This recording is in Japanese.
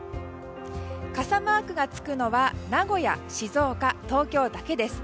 傘マークがつくのは名古屋、静岡、東京だけです。